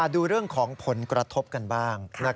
ดูเรื่องของผลกระทบกันบ้าง